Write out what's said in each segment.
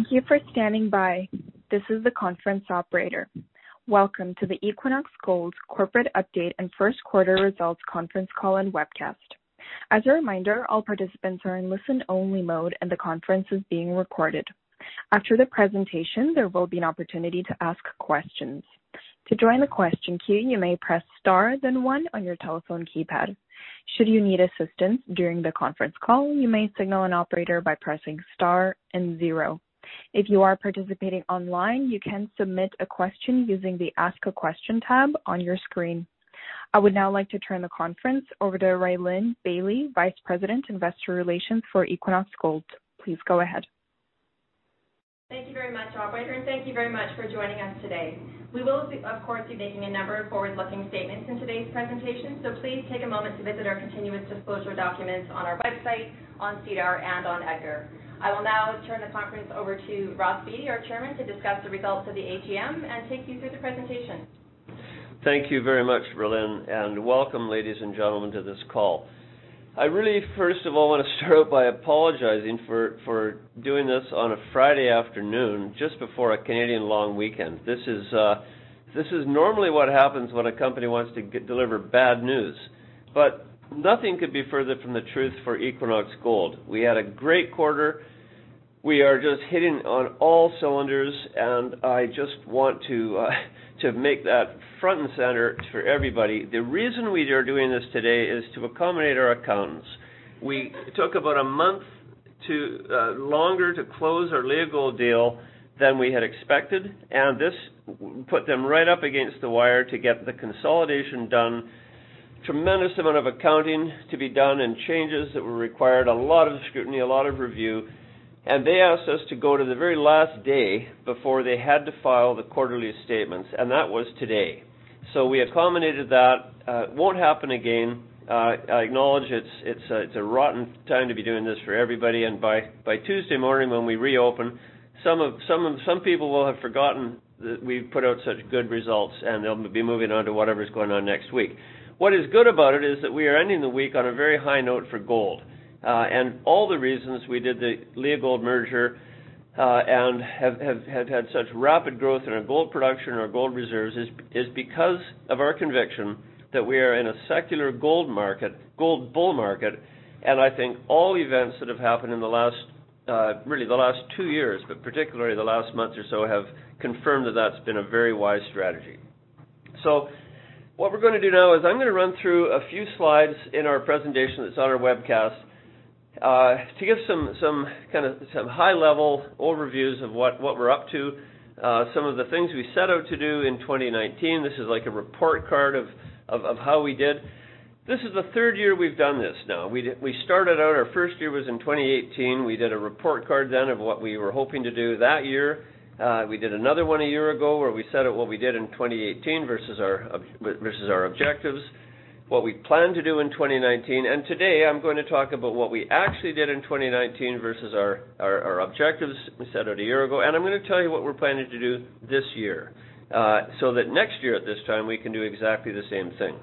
Thank you for standing by. This is the conference operator. Welcome to the Equinox Gold Corporate Update and First Quarter Results conference call and webcast. As a reminder, all participants are in listen-only mode, and the conference is being recorded. After the presentation, there will be an opportunity to ask questions. To join the question queue, you may press star then one on your telephone keypad. Should you need assistance during the conference call, you may signal an operator by pressing star and zero. If you are participating online, you can submit a question using the Ask a Question tab on your screen. I would now like to turn the conference over to Rhylin Bailie, Vice President, Investor Relations for Equinox Gold. Please go ahead. Thank you very much, operator, and thank you very much for joining us today. We will, of course, be making a number of forward-looking statements in today's presentation, so please take a moment to visit our continuous disclosure documents on our website, on SEDAR, and on EDGAR. I will now turn the conference over to Ross Beaty, our Chairman, to discuss the results of the AGM and take you through the presentation. Thank you very much, Rhylin, and welcome, ladies and gentlemen, to this call. I really, first of all, want to start out by apologizing for doing this on a Friday afternoon just before a Canadian long weekend. This is normally what happens when a company wants to deliver bad news, but nothing could be further from the truth for Equinox Gold. We had a great quarter. We are just hitting on all cylinders, and I just want to make that front and center for everybody. The reason we are doing this today is to accommodate our accountants. We took about a month longer to close our Leagold deal than we had expected, and this put them right up against the wire to get the consolidation done, tremendous amount of accounting to be done and changes that were required, a lot of scrutiny, a lot of review. They asked us to go to the very last day before they had to file the quarterly statements, and that was today. We accommodated that. Won't happen again. I acknowledge it's a rotten time to be doing this for everybody, and by Tuesday morning when we reopen, some people will have forgotten that we've put out such good results, and they'll be moving on to whatever's going on next week. What is good about it is that we are ending the week on a very high note for gold. All the reasons we did the Leagold merger, and have had such rapid growth in our gold production and our gold reserves is because of our conviction that we are in a secular gold bull market, and I think all events that have happened in the last two years, but particularly the last month or so, have confirmed that's been a very wise strategy. What we're going to do now is I'm going to run through a few slides in our presentation that's on our webcast, to give some high-level overviews of what we're up to, some of the things we set out to do in 2019. This is like a report card of how we did. This is the third year we've done this now. We started out, our first year was in 2018. We did a report card of what we were hoping to do that year. We did another one a year ago where we set out what we did in 2018 versus our objectives, what we planned to do in 2019. Today, I'm going to talk about what we actually did in 2019 versus our objectives we set out a year ago. I'm going to tell you what we're planning to do this year, so that next year at this time, we can do exactly the same thing.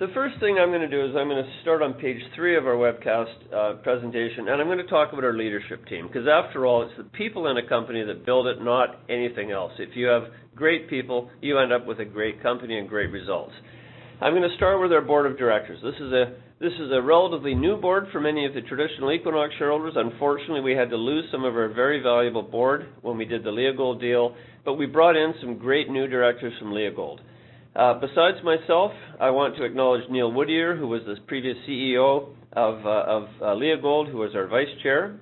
The first thing I'm going to do is I'm going to start on page three of our webcast presentation, and I'm going to talk about our leadership team, because after all, it's the people in a company that build it, not anything else. If you have great people, you end up with a great company and great results. I'm going to start with our Board of Directors. This is a relatively new Board for many of the traditional Equinox shareholders. Unfortunately, we had to lose some of our very valuable Board when we did the Leagold deal, but we brought in some great new Directors from Leagold. Besides myself, I want to acknowledge Neil Woodyer, who was the previous CEO of Leagold, who is our Vice Chair.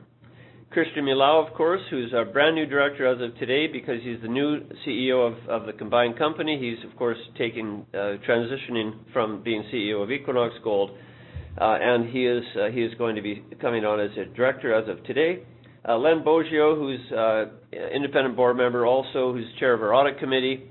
Christian Milau, of course, who's our brand-new Director as of today because he's the new CEO of the combined company. He's, of course, transitioning from being CEO of Equinox Gold. He is going to be coming on as a Director as of today. Len Boggio, who's independent Board Member also, who's Chair of our Audit Committee.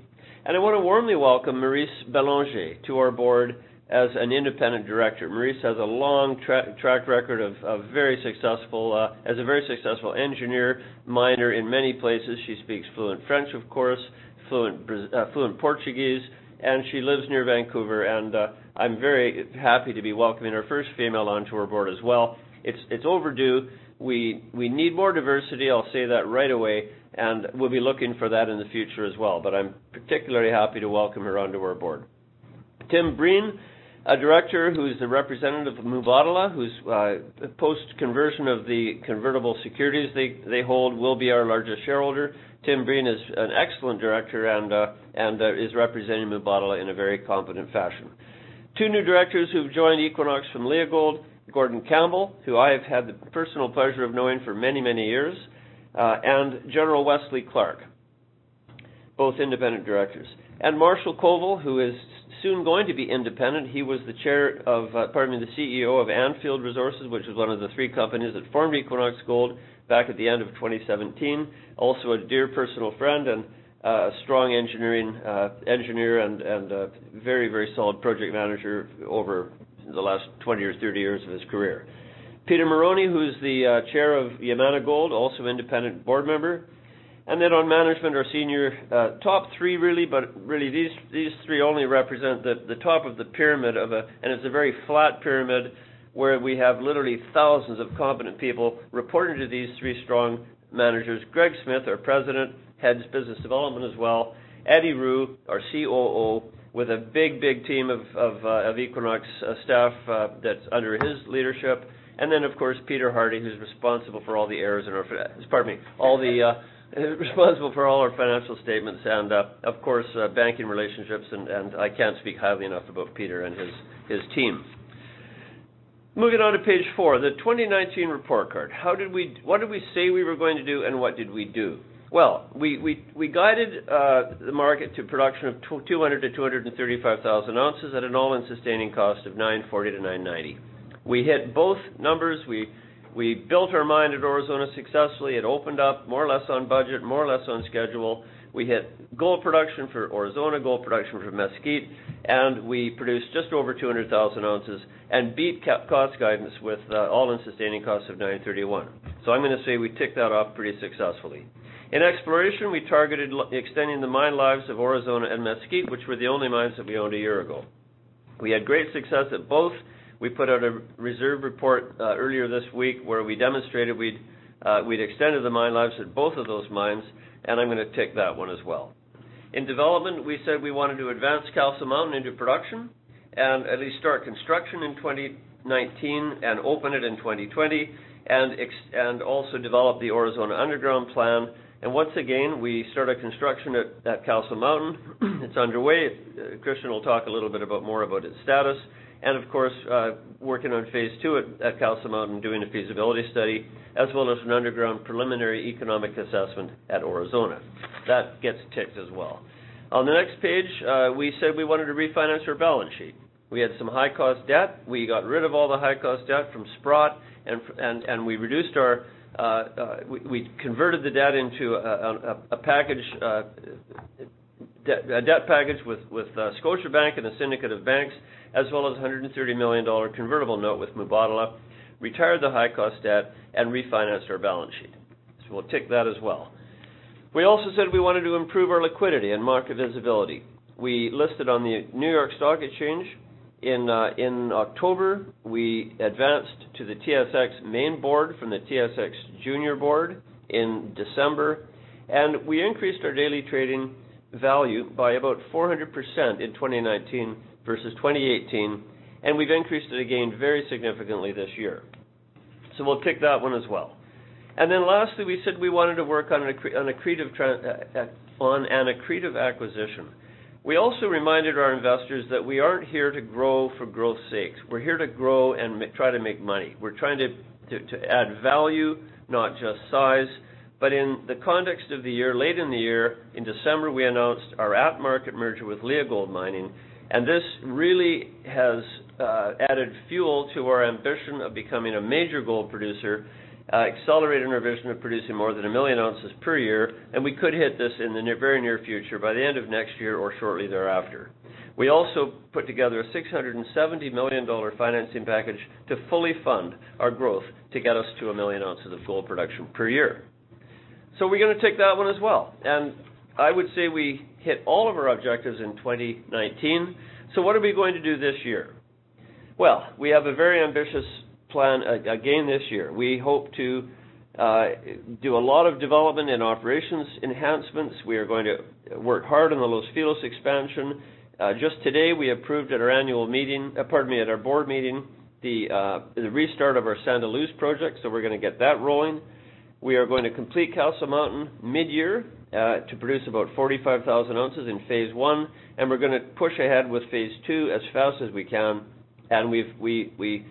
I want to warmly welcome Maryse Bélanger to our Board as an Independent Director. Maryse has a long track record as a very successful engineer, miner in many places. She speaks fluent French, of course, fluent Portuguese, and she lives near Vancouver, and I'm very happy to be welcoming our first female onto our board as well. It's overdue. We need more diversity, I'll say that right away, and we'll be looking for that in the future as well. I'm particularly happy to welcome her onto our board. Tim Breen, a director who's the representative of Mubadala, who's post-conversion of the convertible securities they hold will be our largest shareholder. Tim Breen is an excellent director and is representing Mubadala in a very competent fashion. Two new directors who've joined Equinox from Leagold, Gordon Campbell, who I have had the personal pleasure of knowing for many, many years, and General Wesley Clark, both independent directors. Marshall Koval, who is soon going to be independent. He was the CEO of Anfield Gold Corp., which was one of the three companies that formed Equinox Gold back at the end of 2017. Also a dear personal friend and a strong engineer and a very solid project manager over the last 20 or 30 years of his career. Peter Marrone, who's the chair of Yamana Gold, also independent board member. Then on management, our senior top three really, but really these three only represent the top of the pyramid, and it's a very flat pyramid where we have literally thousands of competent people reporting to these three strong managers. Greg Smith, our president, heads business development as well. Attie Roux, our COO, with a big team of Equinox staff that's under his leadership. Of course, Peter Hardie, who's responsible for all our financial statements and, of course, banking relationships. I can't speak highly enough about Peter and his team. Moving on to page four, the 2019 report card. What did we say we were going to do, and what did we do? Well, we guided the market to production of 200,000 to 235,000 ounces at an all-in sustaining cost of $940-$990. We hit both numbers. We built our mine at Aurizona successfully. It opened up more or less on budget, more or less on schedule. We hit gold production for Aurizona, gold production for Mesquite, and we produced just over 200,000 ounces and beat cash cost guidance with all-in sustaining costs of $931. I'm going to say we ticked that off pretty successfully. In exploration, we targeted extending the mine lives of Aurizona and Mesquite, which were the only mines that we owned a year ago. We had great success at both. We put out a reserve report earlier this week where we demonstrated we'd extended the mine lives at both of those mines, I'm going to tick that one as well. In development, we said we wanted to advance Castle Mountain into production and at least start construction in 2019 and open it in 2020, also develop the Aurizona underground plan. Once again, we started construction at Castle Mountain. It's underway. Christian will talk a little bit more about its status. Of course, working on phase 2 at Castle Mountain, doing a feasibility study, as well as an underground preliminary economic assessment at Aurizona. That gets ticked as well. On the next page, we said we wanted to refinance our balance sheet. We had some high-cost debt. We got rid of all the high-cost debt from Sprott, and we converted the debt into a debt package with Scotiabank and a syndicate of banks, as well as a $130 million convertible note with Mubadala, retired the high-cost debt, and refinanced our balance sheet. We'll tick that as well. We also said we wanted to improve our liquidity and market visibility. We listed on the New York Stock Exchange in October. We advanced to the TSX main board from the TSX junior board in December, and we increased our daily trading value by about 400% in 2019 versus 2018, and we've increased it again very significantly this year. We'll tick that one as well. Lastly, we said we wanted to work on an accretive acquisition. We also reminded our investors that we aren't here to grow for growth's sake. We're here to grow and try to make money. We're trying to add value, not just size, but in the context of the year, late in the year, in December, we announced our at-market merger with Leagold Mining, and this really has added fuel to our ambition of becoming a major gold producer, accelerated our vision of producing more than 1 million ounces per year, and we could hit this in the very near future by the end of next year or shortly thereafter. We also put together a $670 million financing package to fully fund our growth to get us to 1 million ounces of gold production per year. We're going to tick that one as well. I would say we hit all of our objectives in 2019. What are we going to do this year? Well, we have a very ambitious plan again this year. We hope to do a lot of development and operations enhancements. We are going to work hard on the Los Filos expansion. Just today, we approved at our board meeting the restart of our Santa Luz project, we're going to get that rolling. We are going to complete Castle Mountain mid-year to produce about 45,000 ounces in phase 1, we're going to push ahead with phase 2 as fast as we can. We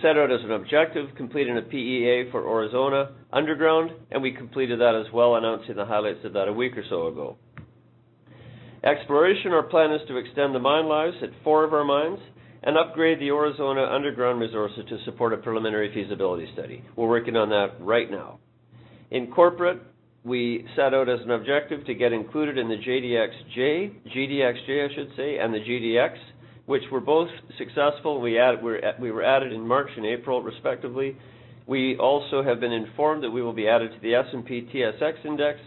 set out as an objective, completing a PEA for Aurizona underground, we completed that as well, announcing the highlights of that a week or so ago. Exploration, our plan is to extend the mine lives at four of our mines and upgrade the Aurizona underground resources to support a preliminary feasibility study. We're working on that right now. In corporate, we set out as an objective to get included in the GDXJ and the GDX, which were both successful. We were added in March and April respectively. We also have been informed that we will be added to the S&P/TSX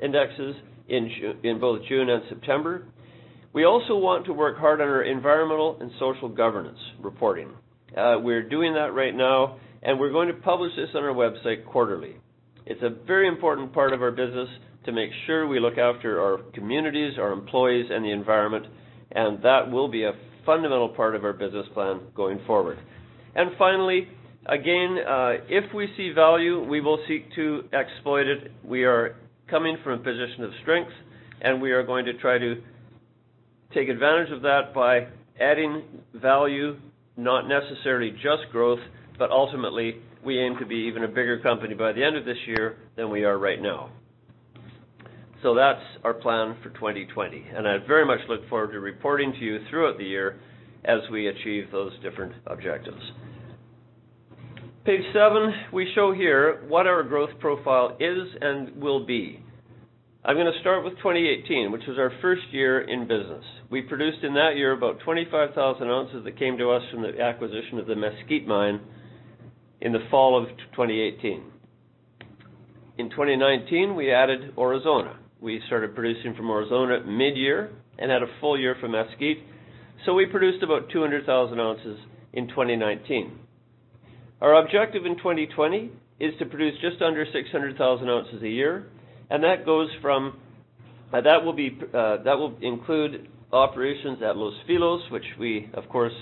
indexes in both June and September. We also want to work hard on our environmental and social governance reporting. We're doing that right now, and we're going to publish this on our website quarterly. It's a very important part of our business to make sure we look after our communities, our employees, and the environment, and that will be a fundamental part of our business plan going forward. Finally, again, if we see value, we will seek to exploit it. We are coming from a position of strength, and we are going to try to take advantage of that by adding value, not necessarily just growth, but ultimately, we aim to be even a bigger company by the end of this year than we are right now. That's our plan for 2020, and I very much look forward to reporting to you throughout the year as we achieve those different objectives. Page seven, we show here what our growth profile is and will be. I'm going to start with 2018, which was our first year in business. We produced in that year about 25,000 ounces that came to us from the acquisition of the Mesquite mine in the fall of 2018. In 2019, we added Aurizona. We started producing from Aurizona mid-year and had a full year for Mesquite. We produced about 200,000 ounces in 2019. Our objective in 2020 is to produce just under 600,000 ounces a year, and that will include operations at Los Filos, which of course,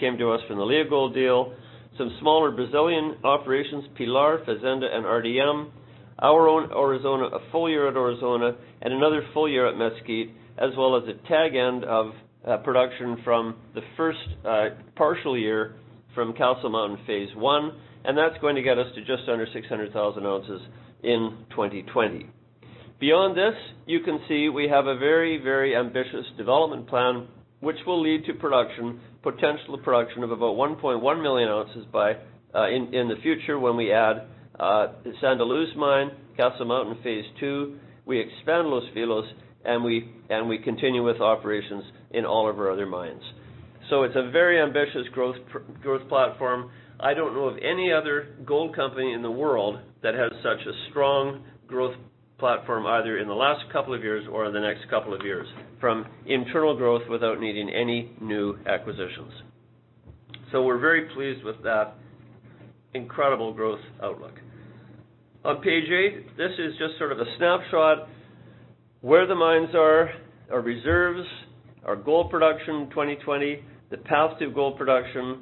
came to us from the Leagold deal, some smaller Brazilian operations, Pilar, Fazenda, and RDM, our own Aurizona, a full year at Aurizona, and another full year at Mesquite, as well as a tag end of production from the first partial year from Castle Mountain phase 1, and that's going to get us to just under 600,000 ounces in 2020. Beyond this, you can see we have a very ambitious development plan, which will lead to potential production of about 1.1 million ounces in the future when we add the Santa Luz mine, Castle Mountain phase 2, we expand Los Filos, and we continue with operations in all of our other mines. It's a very ambitious growth platform. I don't know of any other gold company in the world that has such a strong growth platform, either in the last couple of years or in the next couple of years from internal growth without needing any new acquisitions. We're very pleased with that incredible growth outlook. On page eight, this is just sort of a snapshot, where the mines are, our reserves, our gold production in 2020, the paths to gold production,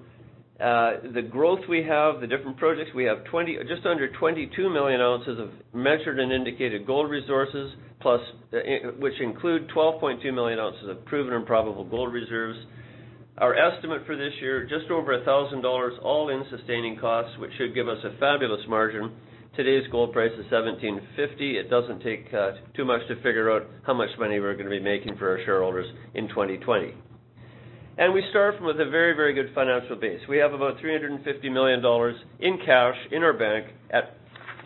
the growth we have, the different projects. We have just under 22 million ounces of measured and indicated gold resources, which include 12.2 million ounces of proven and probable gold reserves. Our estimate for this year, just over $1,000 all-in sustaining cost, which should give us a fabulous margin. Today's gold price is $1,750. It doesn't take too much to figure out how much money we're going to be making for our shareholders in 2020. We start from with a very good financial base. We have about $350 million in cash in our bank at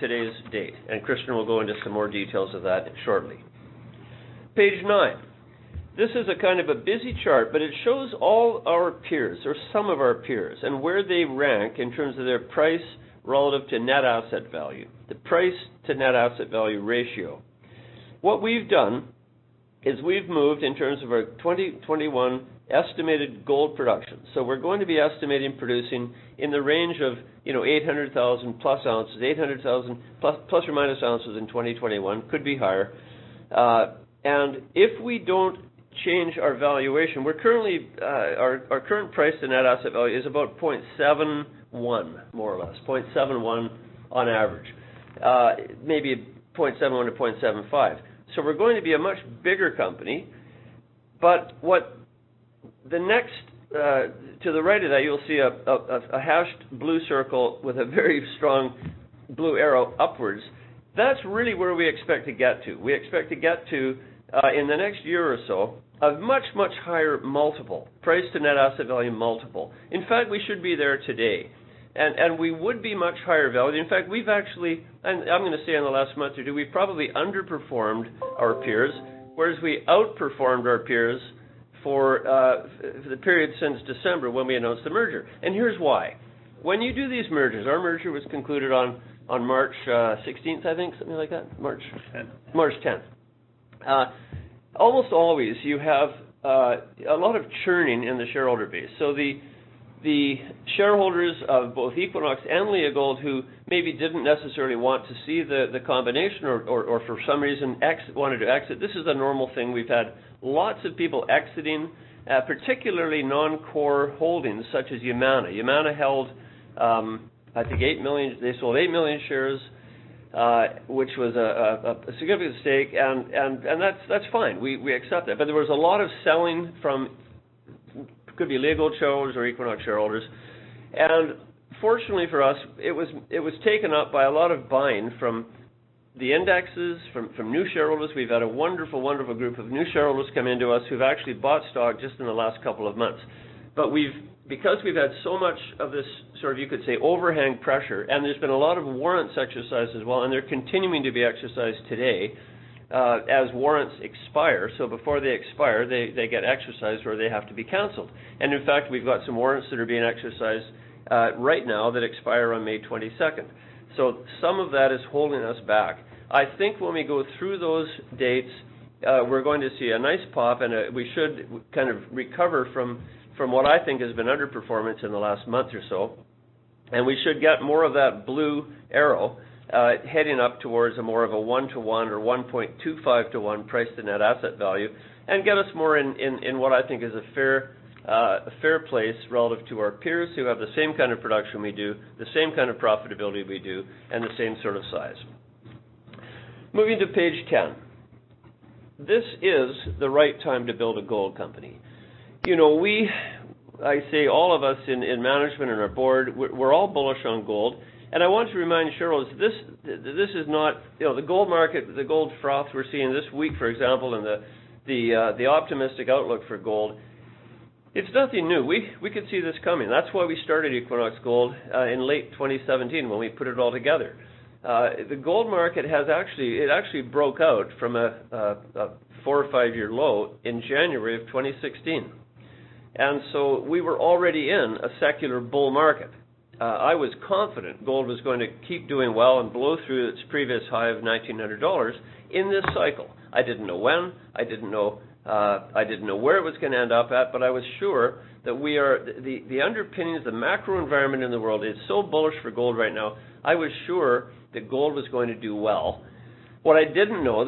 today's date, and Christian will go into some more details of that shortly. Page nine. This is a kind of a busy chart, but it shows all our peers or some of our peers and where they rank in terms of their price relative to net asset value, the price to net asset value ratio. What we've done is we've moved in terms of our 2021 estimated gold production. We're going to be estimating producing in the range of 800,000 ± ounces in 2021. Could be higher. If we don't change our valuation, our current price to net asset value is about 0.71, more or less, 0.71 on average. Maybe 0.71 to 0.75. We're going to be a much bigger company. To the right of that, you'll see a hashed blue circle with a very strong blue arrow upwards. That's really where we expect to get to. We expect to get to, in the next year or so, a much, much higher multiple, price to net asset value multiple. In fact, we should be there today, and we would be much higher value. In fact, we've actually, and I'm going to say in the last month or two, we've probably underperformed our peers, whereas we outperformed our peers for the period since December when we announced the merger. Here's why. When you do these mergers, our merger was concluded on March 16th, I think, something like that? 10th. March 10th. Almost always, you have a lot of churning in the shareholder base. The shareholders of both Equinox and Leagold, who maybe didn't necessarily want to see the combination or for some reason wanted to exit, this is a normal thing. We've had lots of people exiting, particularly non-core holdings such as Yamana. Yamana held, I think they sold 8 million shares, which was a significant stake, and that's fine. We accept that. There was a lot of selling from, could be Leagold shareholders or Equinox shareholders. Fortunately for us, it was taken up by a lot of buying from the indexes, from new shareholders. We've had a wonderful group of new shareholders come into us who've actually bought stock just in the last couple of months. Because we've had so much of this sort of, you could say, overhang pressure, and there's been a lot of warrants exercised as well, and they're continuing to be exercised today as warrants expire. Before they expire, they get exercised or they have to be canceled. In fact, we've got some warrants that are being exercised right now that expire on May 22nd. Some of that is holding us back. I think when we go through those dates, we're going to see a nice pop, and we should kind of recover from what I think has been underperformance in the last month or so. We should get more of that blue arrow heading up towards a more of a one-to-one or 1.25-to-one price to net asset value and get us more in what I think is a fair place relative to our peers who have the same kind of production we do, the same kind of profitability we do, and the same sort of size. Moving to page 10. This is the right time to build a gold company. I say all of us in management and our board, we're all bullish on gold. I want to remind shareholders, the gold froth we're seeing this week, for example, and the optimistic outlook for gold, it's nothing new. We could see this coming. That's why we started Equinox Gold in late 2017 when we put it all together. The gold market it actually broke out from a four or five-year low in January of 2016. We were already in a secular bull market. I was confident gold was going to keep doing well and blow through its previous high of $1,900 in this cycle. I didn't know when, I didn't know where it was going to end up at, but I was sure that the underpinning of the macro environment in the world is so bullish for gold right now, I was sure that gold was going to do well. What I didn't know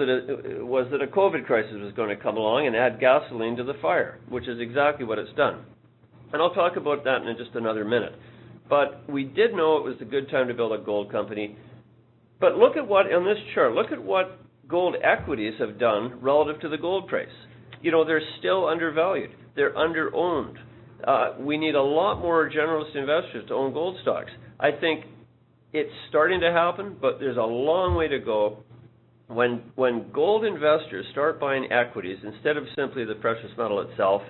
was that a COVID crisis was going to come along and add gasoline to the fire, which is exactly what it's done. I'll talk about that in just another minute. We did know it was a good time to build a gold company. Look at what, in this chart, look at what gold equities have done relative to the gold price. They're still undervalued. They're under-owned. We need a lot more generalist investors to own gold stocks. I think it's starting to happen, but there's a long way to go. When gold investors start buying equities instead of simply the precious metal itself,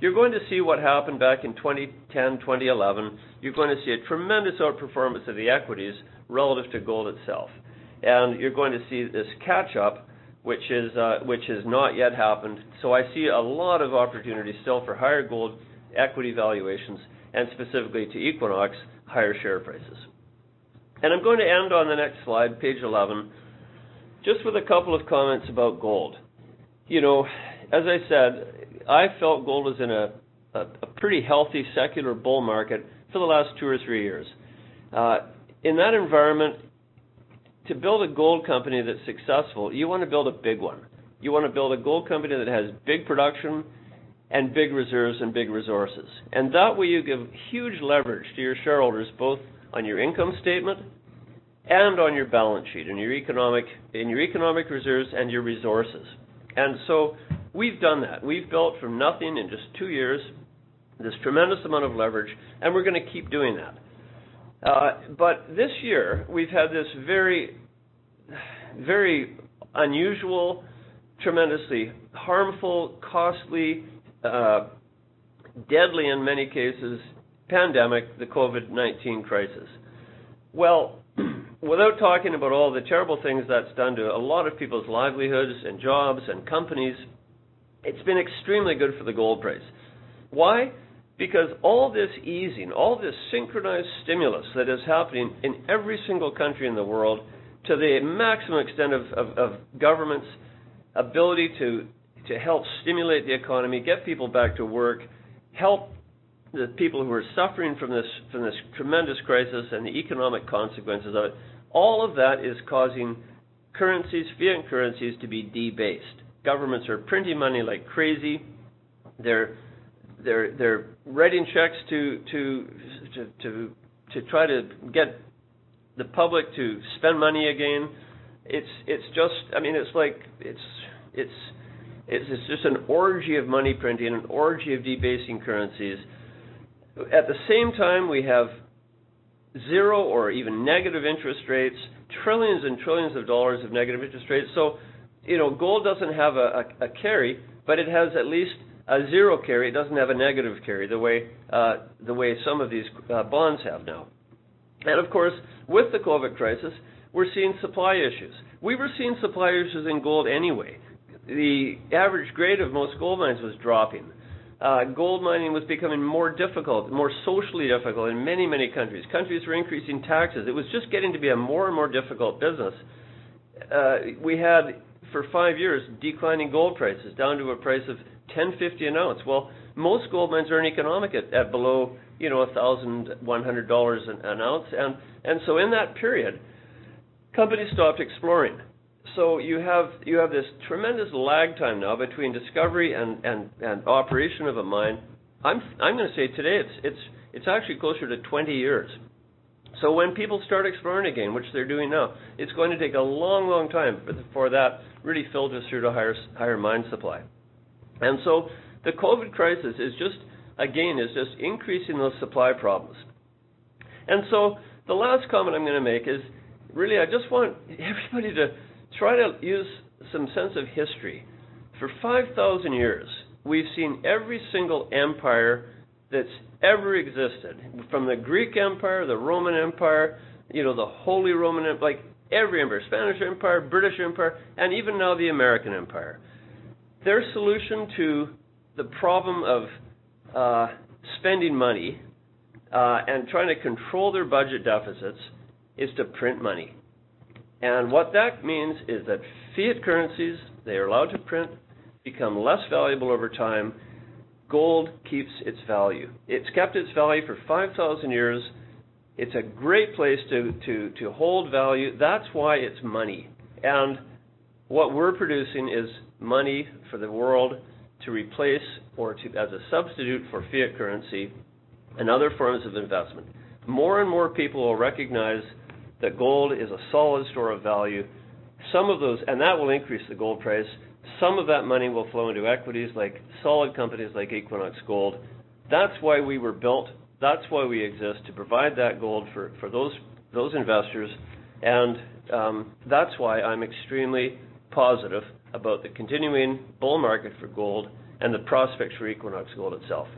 you're going to see what happened back in 2010, 2011. You're going to see a tremendous outperformance of the equities relative to gold itself. You're going to see this catch-up, which has not yet happened. I see a lot of opportunity still for higher gold equity valuations, and specifically to Equinox, higher share prices. I'm going to end on the next slide, page 11, just with a couple of comments about gold. I felt gold was in a pretty healthy secular bull market for the last two or three years. In that environment, to build a gold company that's successful, you want to build a big one. You want to build a gold company that has big production and big reserves and big resources. In that way, you give huge leverage to your shareholders, both on your income statement and on your balance sheet, in your economic reserves and your resources. We've done that. We've built from nothing in just two years, this tremendous amount of leverage. We're going to keep doing that. This year, we've had this very unusual, tremendously harmful, costly, deadly in many cases, pandemic, the COVID-19 crisis. Well, without talking about all the terrible things that's done to a lot of people's livelihoods and jobs and companies, it's been extremely good for the gold price. Why? All this easing, all this synchronized stimulus that is happening in every single country in the world to the maximum extent of governments' ability to help stimulate the economy, get people back to work, help the people who are suffering from this tremendous crisis and the economic consequences of it, all of that is causing fiat currencies to be debased. Governments are printing money like crazy. They're writing checks to try to get the public to spend money again. It's just an orgy of money printing, an orgy of debasing currencies. At the same time, we have zero or even negative interest rates, trillions and trillions of dollars of negative interest rates. Gold does not have a carry, but it has at least a zero carry. It does not have a negative carry, the way some of these bonds have now. With the COVID crisis, we are seeing supply issues. We were seeing supply issues in gold anyway. The average grade of most gold mines was dropping. Gold mining was becoming more difficult, more socially difficult in many, many countries. Countries were increasing taxes. It was just getting to be a more and more difficult business. We had, for five years, declining gold prices down to a price of $1,050 an ounce. Well, most gold mines are uneconomic at below $1,100 an ounce. In that period, companies stopped exploring. You have this tremendous lag time now between discovery and operation of a mine. I am going to say today, it is actually closer to 20 years. When people start exploring again, which they're doing now, it's going to take a long, long time before that really filters through to higher mine supply. The COVID crisis is just increasing those supply problems. The last comment I'm going to make is, really, I just want everybody to try to use some sense of history. For 5,000 years, we've seen every single empire that's ever existed, from the Greek Empire, the Roman Empire, the Holy Roman Empire, every empire, Spanish Empire, British Empire, and even now the American Empire. Their solution to the problem of spending money and trying to control their budget deficits is to print money. What that means is that fiat currencies, they're allowed to print, become less valuable over time. Gold keeps its value. It's kept its value for 5,000 years. It's a great place to hold value. That's why it's money. What we're producing is money for the world to replace or as a substitute for fiat currency and other forms of investment. More and more people will recognize that gold is a solid store of value. That will increase the gold price. Some of that money will flow into equities, like solid companies like Equinox Gold. That's why we were built. That's why we exist, to provide that gold for those investors. That's why I'm extremely positive about the continuing bull market for gold and the prospects for Equinox Gold itself.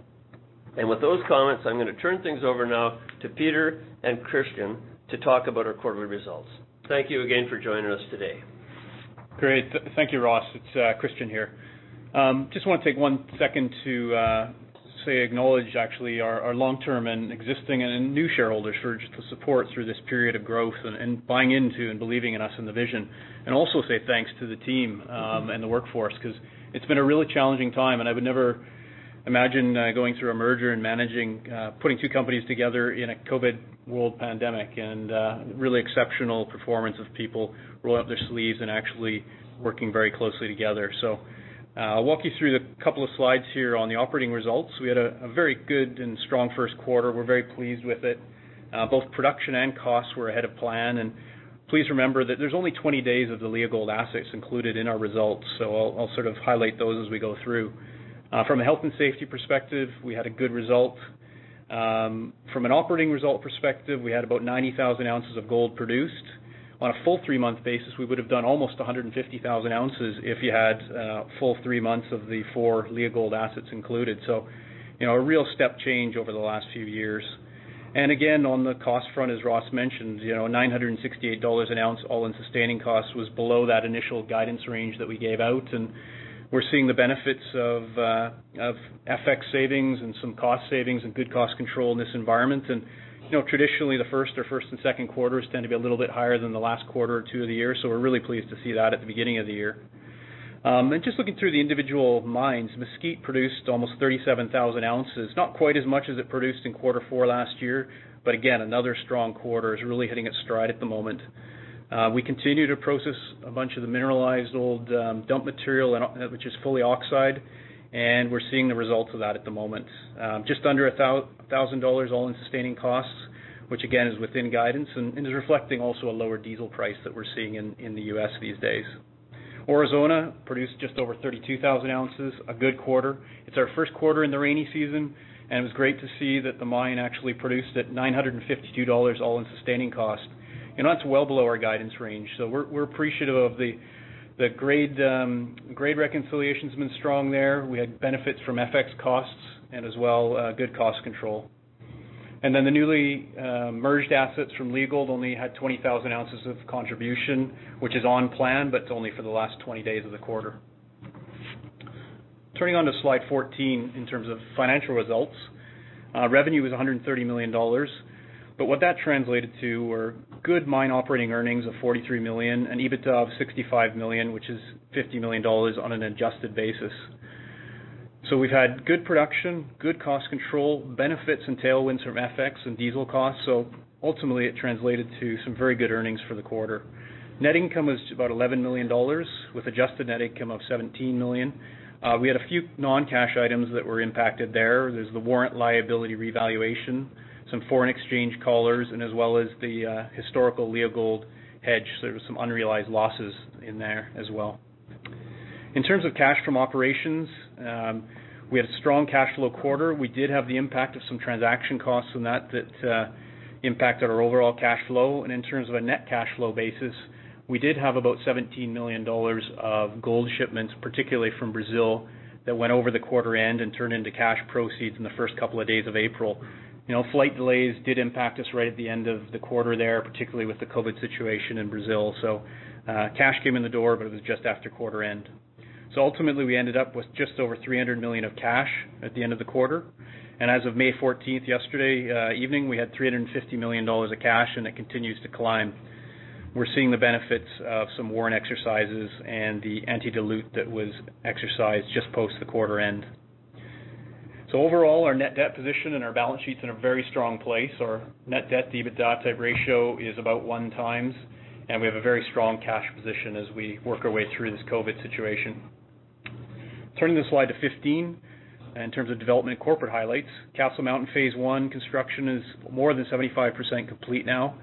With those comments, I'm going to turn things over now to Peter and Christian to talk about our quarterly results. Thank you again for joining us today. Great. Thank you, Ross. It's Christian here. I just want to take one second to acknowledge actually our long-term and existing and new shareholders for the support through this period of growth and buying into and believing in us and the vision. Also say thanks to the team and the workforce, because it's been a really challenging time, and I would never imagine going through a merger and managing putting two companies together in a COVID world pandemic. Really exceptional performance of people rolling up their sleeves and actually working very closely together. I'll walk you through the couple of slides here on the operating results. We had a very good and strong first quarter. We're very pleased with it. Both production and costs were ahead of plan. Please remember that there's only 20 days of the Leagold assets included in our results, so I'll highlight those as we go through. From a health and safety perspective, we had a good result. From an operating result perspective, we had about 90,000 ounces of gold produced. On a full three-month basis, we would have done almost 150,000 ounces if you had a full three months of the four Leagold assets included. A real step change over the last few years. Again, on the cost front, as Ross mentioned, $968 an ounce, all-in sustaining costs was below that initial guidance range that we gave out. We're seeing the benefits of FX savings and some cost savings and good cost control in this environment. Traditionally, the first or first and second quarters tend to be a little bit higher than the last quarter or two of the year. We're really pleased to see that at the beginning of the year. Just looking through the individual mines, Mesquite produced almost 37,000 ounces, not quite as much as it produced in quarter four last year, but again, another strong quarter, is really hitting its stride at the moment. We continue to process a bunch of the mineralized old dump material, which is fully oxide, and we're seeing the results of that at the moment. Just under $1,000 all-in sustaining costs, which again, is within guidance and is reflecting also a lower diesel price that we're seeing in the U.S. these days. Aurizona produced just over 32,000 ounces, a good quarter. It's our first quarter in the rainy season. It was great to see that the mine actually produced at $952 all-in sustaining cost. That's well below our guidance range. We're appreciative of the grade. Grade reconciliation's been strong there. We had benefits from FX costs and as well, good cost control. The newly merged assets from Leagold only had 20,000 ounces of contribution, which is on plan, but only for the last 20 days of the quarter. Turning on to slide 14 in terms of financial results, revenue was $130 million. What that translated to were good mine operating earnings of $43 million and EBITDA of $65 million, which is $50 million on an adjusted basis. We've had good production, good cost control, benefits and tailwinds from FX and diesel costs. Ultimately, it translated to some very good earnings for the quarter. Net income was about $11 million with adjusted net income of $17 million. We had a few non-cash items that were impacted there. There's the warrant liability revaluation, some foreign exchange collars, as well as the historical Leagold hedge. There was some unrealized losses in there as well. In terms of cash from operations, we had a strong cash flow quarter. We did have the impact of some transaction costs from that impacted our overall cash flow. In terms of a net cash flow basis, we did have about $17 million of gold shipments, particularly from Brazil, that went over the quarter end and turned into cash proceeds in the first couple of days of April. Flight delays did impact us right at the end of the quarter there, particularly with the COVID situation in Brazil. Cash came in the door, but it was just after quarter end. Ultimately, we ended up with just over $300 million of cash at the end of the quarter. As of May 14th, yesterday evening, we had $350 million of cash, and it continues to climb. We're seeing the benefits of some warrant exercises and the anti-dilution that was exercised just post the quarter end. Overall, our net debt position and our balance sheet's in a very strong place. Our net debt-to-EBITDA type ratio is about 1 times, and we have a very strong cash position as we work our way through this COVID situation. Turning the slide to 15, in terms of development and corporate highlights, Castle Mountain phase 1 construction is more than 75% complete now.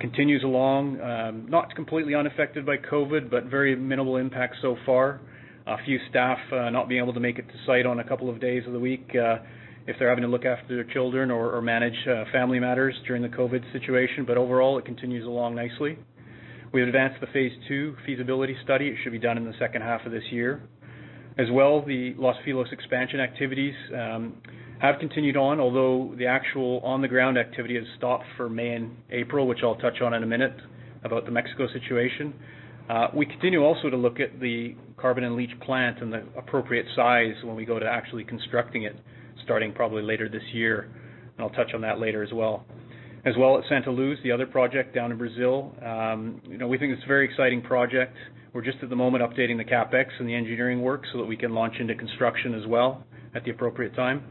Continues along, not completely unaffected by COVID, very minimal impact so far. A few staff not being able to make it to site on a couple of days of the week, if they're having to look after their children or manage family matters during the COVID situation. Overall, it continues along nicely. We have advanced the phase 2 feasibility study. It should be done in the second half of this year. Well, the Los Filos expansion activities have continued on, although the actual on-the-ground activity has stopped for May and April, which I'll touch on in a minute about the Mexico situation. We continue also to look at the carbon-in-leach plant and the appropriate size when we go to actually constructing it, starting probably later this year. I'll touch on that later as well. Well at Santa Luz, the other project down in Brazil, we think it's a very exciting project. We're just at the moment updating the CapEx and the engineering work so that we can launch into construction as well at the appropriate time.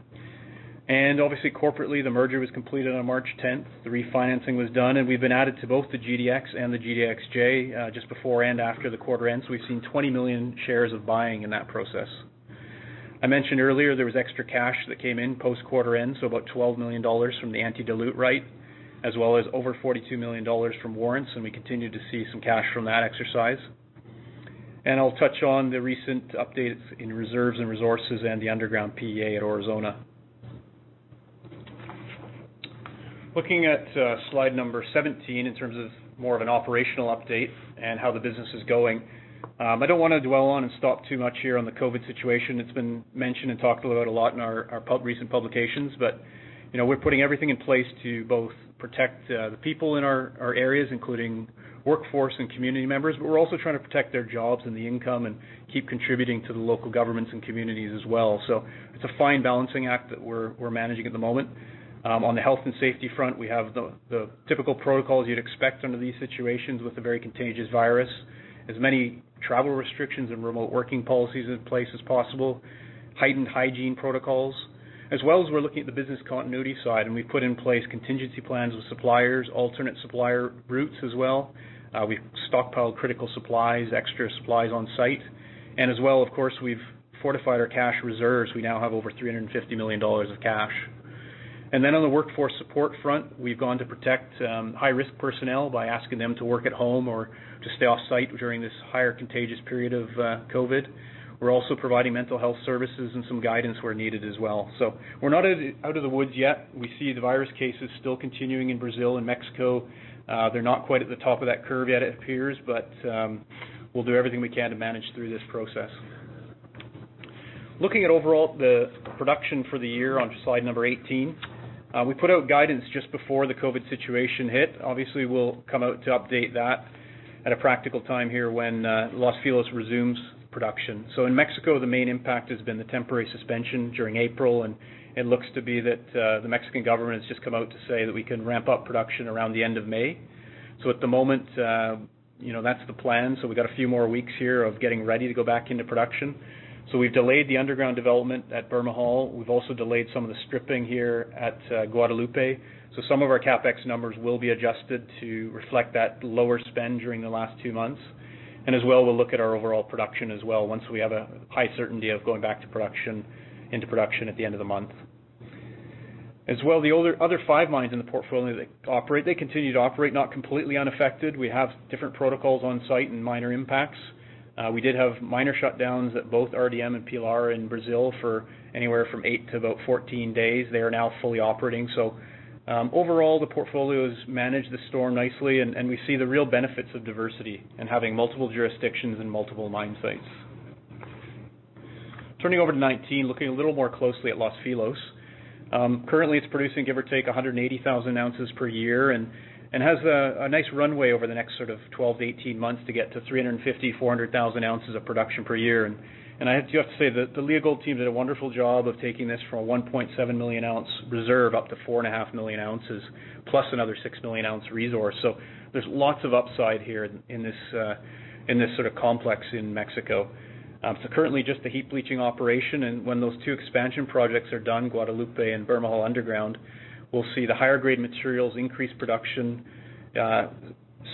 Obviously, corporately, the merger was completed on March 10th. The refinancing was done, and we've been added to both the GDX and the GDXJ, just before and after the quarter end. We've seen 20 million shares of buying in that process. I mentioned earlier there was extra cash that came in post quarter end, so about $12 million from the anti-dilution right, as well as over $42 million from warrants, and we continue to see some cash from that exercise. I'll touch on the recent updates in reserves and resources and the underground PEA at Aurizona. Looking at slide number 17 in terms of more of an operational update and how the business is going. I don't want to dwell on and stop too much here on the COVID-19 situation. It's been mentioned and talked about a lot in our recent publications. We're putting everything in place to both protect the people in our areas, including workforce and community members, but we're also trying to protect their jobs and the income and keep contributing to the local governments and communities as well. It's a fine balancing act that we're managing at the moment. On the health and safety front, we have the typical protocols you'd expect under these situations with a very contagious virus. As many travel restrictions and remote working policies in place as possible, heightened hygiene protocols, as well as we're looking at the business continuity side, and we've put in place contingency plans with suppliers, alternate supplier routes as well. We've stockpiled critical supplies, extra supplies on site. As well, of course, we've fortified our cash reserves. We now have over $350 million of cash. On the workforce support front, we've gone to protect high-risk personnel by asking them to work at home or to stay off-site during this higher contagious period of COVID. We're also providing mental health services and some guidance where needed as well. We're not out of the woods yet. We see the virus cases still continuing in Brazil and Mexico. They're not quite at the top of that curve yet, it appears, we'll do everything we can to manage through this process. Looking at overall the production for the year on slide number 18. We put out guidance just before the COVID situation hit. Obviously, we'll come out to update that at a practical time here when Los Filos resumes production. In Mexico, the main impact has been the temporary suspension during April, and it looks to be that the Mexican government has just come out to say that we can ramp up production around the end of May. At the moment, that's the plan. We've got a few more weeks here of getting ready to go back into production. We've delayed the underground development at Bermejal. We've also delayed some of the stripping here at Guadalupe. Some of our CapEx numbers will be adjusted to reflect that lower spend during the last two months. As well, we'll look at our overall production as well once we have a high certainty of going back into production at the end of the month. As well, the other five mines in the portfolio, they continue to operate, not completely unaffected. We have different protocols on site and minor impacts. We did have minor shutdowns at both RDM and Pilar in Brazil for anywhere from eight to 14 days. They are now fully operating. Overall, the portfolio's managed the storm nicely, and we see the real benefits of diversity and having multiple jurisdictions and multiple mine sites. Turning over to 19, looking a little more closely at Los Filos. Currently, it's producing, give or take, 180,000 ounces per year and has a nice runway over the next 12 to 18 months to get to 350,000-400,000 ounces of production per year. I do have to say that the Leagold team did a wonderful job of taking this from a 1.7 million ounce reserve up to 4.5 million ounces, plus another 6 million ounce resource. There's lots of upside here in this sort of complex in Mexico. Currently just the heap leaching operation, and when those two expansion projects are done, Guadalupe and Bermejal Underground, we'll see the higher grade materials increase production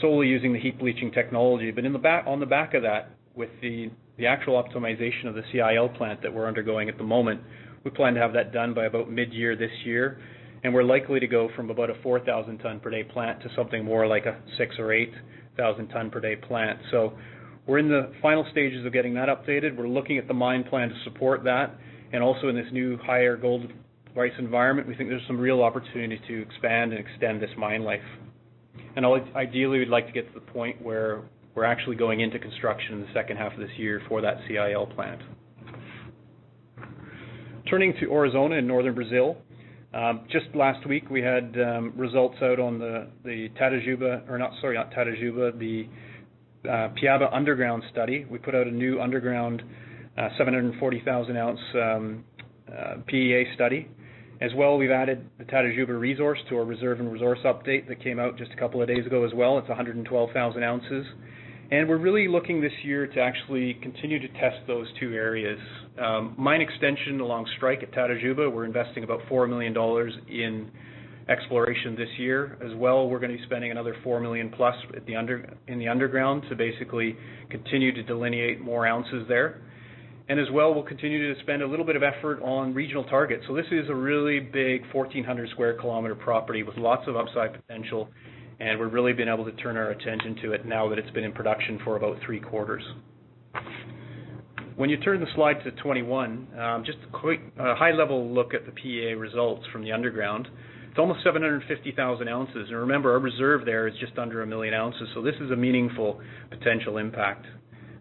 solely using the heap leaching technology. On the back of that, with the actual optimization of the CIL plant that we're undergoing at the moment, we plan to have that done by about mid-year this year, and we're likely to go from about a 4,000 ton per day plant to something more like a 6,000 or 8,000 ton per day plant. We're in the final stages of getting that updated. We're looking at the mine plan to support that. Also in this new higher gold price environment, we think there's some real opportunity to expand and extend this mine life. Ideally, we'd like to get to the point where we're actually going into construction in the second half of this year for that CIL plant. Turning to Aurizona in Northern Brazil. Just last week, we had results out on the Piaba Underground Study. We put out a new underground 740,000-ounce PEA study. We've added the Tatajuba resource to our reserve and resource update that came out just a couple of days ago as well. It's 112,000 ounces. We're really looking this year to actually continue to test those two areas. Mine extension along strike at Tatajuba, we're investing about $4 million in exploration this year. We're going to be spending another $4 million plus in the underground to basically continue to delineate more ounces there. We'll continue to spend a little bit of effort on regional targets. This is a really big 1,400 square kilometer property with lots of upside potential, and we've really been able to turn our attention to it now that it's been in production for about three quarters. When you turn the slide to 21, just a quick high-level look at the PEA results from the underground. It's almost 750,000 ounces, and remember, our reserve there is just under a million ounces, this is a meaningful potential impact.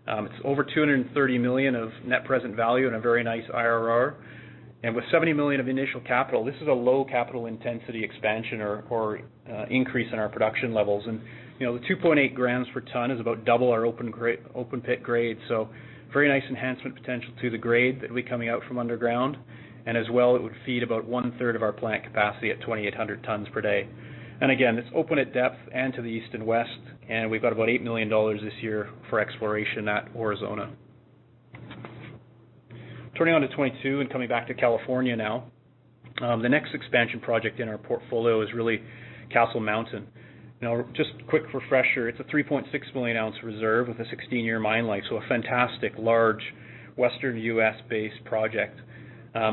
It's over $230 million of net present value and a very nice IRR. With $70 million of initial capital, this is a low capital intensity expansion or increase in our production levels. The 2.8 grams per tonne is about double our open pit grade. Very nice enhancement potential to the grade that'll be coming out from underground, and as well, it would feed about one-third of our plant capacity at 2,800 tons per day. Again, it's open at depth and to the east and west, and we've got about $8 million this year for exploration at Aurizona. Turning on to 2022 and coming back to California now. The next expansion project in our portfolio is really Castle Mountain. Just a quick refresher, it's a 3.6 million ounce reserve with a 16-year mine life, so a fantastic large Western U.S.-based project.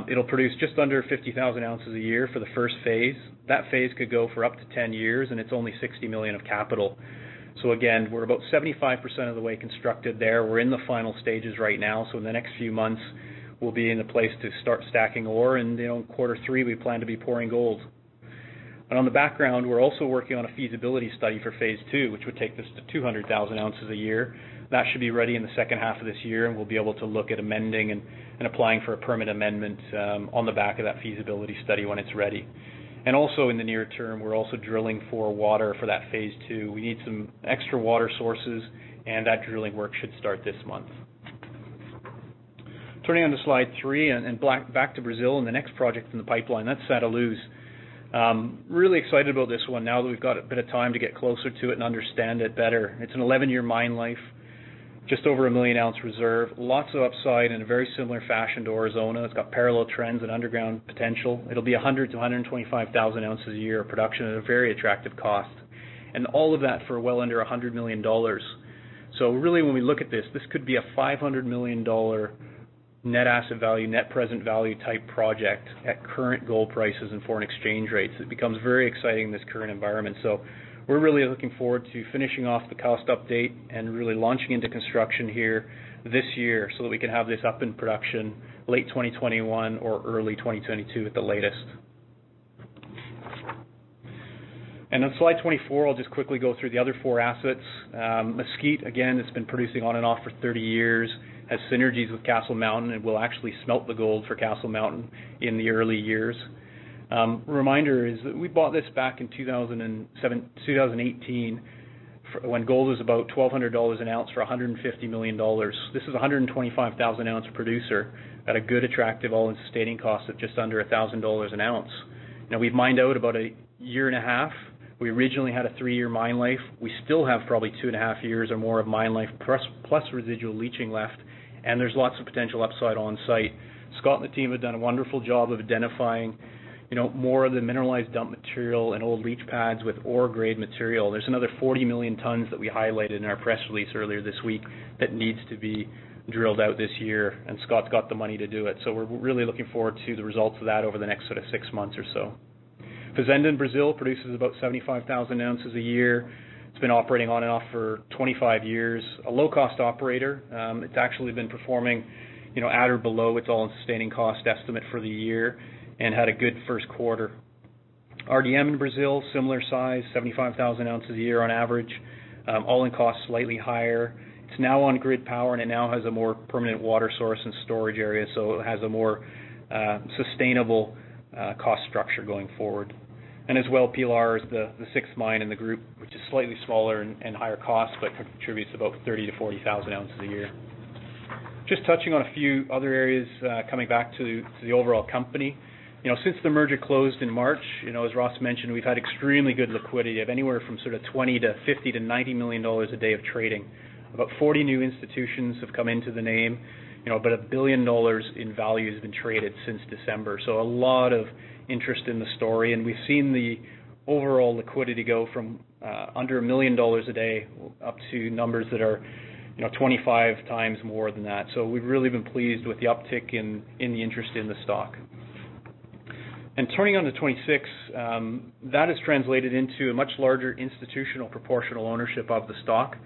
It'll produce just under 50,000 ounces a year for the first phase. That phase could go for up to 10 years, and it's only $60 million of capital. Again, we're about 75% of the way constructed there. We're in the final stages right now. In the next few months, we'll be in a place to start stacking ore, and in Quarter Three, we plan to be pouring gold. On the background, we're also working on a feasibility study for Phase Two, which would take us to 200,000 ounces a year. That should be ready in the second half of this year. We'll be able to look at amending and applying for a permit amendment on the back of that feasibility study when it's ready. Also in the near term, we're also drilling for water for that Phase Two. We need some extra water sources. That drilling work should start this month. Turning on to Slide 23 and back to Brazil and the next project in the pipeline, that's Santa Luz. Really excited about this one now that we've got a bit of time to get closer to it and understand it better. It's an 11-year mine life, just over a 1 million-ounce reserve. Lots of upside in a very similar fashion to Aurizona. It's got parallel trends and underground potential. It'll be 100,000 to 125,000 ounces a year of production at a very attractive cost, and all of that for well under $100 million. When we look at this could be a $500 million net asset value, net present value type project at current gold prices and foreign exchange rates. It becomes very exciting in this current environment. We're really looking forward to finishing off the cost update and really launching into construction here this year so that we can have this up in production late 2021 or early 2022 at the latest. On Slide 24, I'll just quickly go through the other four assets. Mesquite, again, it's been producing on and off for 30 years, has synergies with Castle Mountain and will actually smelt the gold for Castle Mountain in the early years. A reminder is that we bought this back in 2018, when gold was about $1,200 an ounce for $150 million. This is 125,000-ounce producer at a good attractive all-in sustaining cost of just under $1,000 an ounce. Now we've mined out about a year and a half. We originally had a three-year mine life. We still have probably two and a half years or more of mine life, plus residual leaching left, and there's lots of potential upside on-site. Scott and the team have done a wonderful job of identifying more of the mineralized dump material and old leach pads with ore grade material. There's another 40 million tons that we highlighted in our press release earlier this week that needs to be drilled out this year, and Scott's got the money to do it. We're really looking forward to the results of that over the next six months or so. Fazenda in Brazil produces about 75,000 ounces a year. It's been operating on and off for 25 years, a low-cost operator. It's actually been performing at or below its own sustaining cost estimate for the year and had a good first quarter. RDM in Brazil, similar size, 75,000 ounces a year on average. All-in cost slightly higher. It's now on grid power, and it now has a more permanent water source and storage area, so it has a more sustainable cost structure going forward. As well, Pilar is the sixth mine in the group, which is slightly smaller and higher cost but contributes about 30,000 to 40,000 ounces a year. Just touching on a few other areas, coming back to the overall company. Since the merger closed in March, as Ross mentioned, we've had extremely good liquidity of anywhere from $20 million to $50 million to $90 million a day of trading. About 40 new institutions have come into the name. About $1 billion in value has been traded since December. A lot of interest in the story, and we've seen the overall liquidity go from under $1 million a day up to numbers that are 25 times more than that. We've really been pleased with the uptick in the interest in the stock. Turning on to 26, that has translated into a much larger institutional proportional ownership of the stock.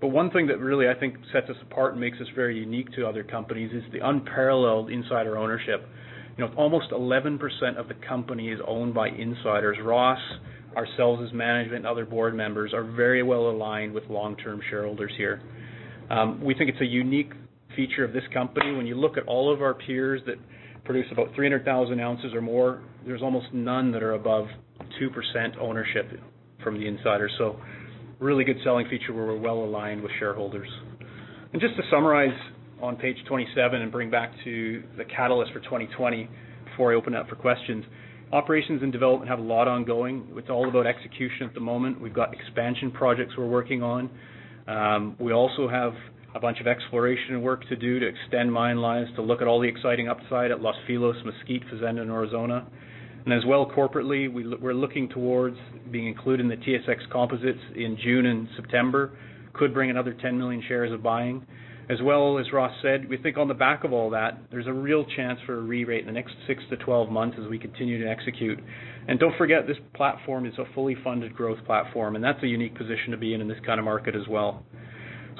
One thing that really, I think, sets us apart and makes us very unique to other companies is the unparalleled insider ownership. Almost 11% of the company is owned by insiders. Ross, ourselves as management, and other board members are very well aligned with long-term shareholders here. We think it's a unique feature of this company. When you look at all of our peers that produce about 300,000 ounces or more, there's almost none that are above 2% ownership from the insiders. Really good selling feature where we're well aligned with shareholders. Just to summarize on page 27 and bring back to the catalyst for 2020 before I open it up for questions. Operations and development have a lot ongoing. It's all about execution at the moment. We've got expansion projects we're working on. We also have a bunch of exploration work to do to extend mine lives, to look at all the exciting upside at Los Filos, Mesquite, Fazenda, and Aurizona. As well, corporately, we're looking towards being included in the TSX Composite in June and September. Could bring another 10 million shares of buying. As well, as Ross said, we think on the back of all that, there's a real chance for a re-rate in the next six to 12 months as we continue to execute. Don't forget, this platform is a fully funded growth platform, and that's a unique position to be in in this kind of market as well.